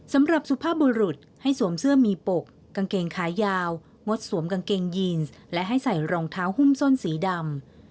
สุภาพบุรุษให้สวมเสื้อมีปกกางเกงขายาวงดสวมกางเกงยีนและให้ใส่รองเท้าหุ้มส้นสีดำ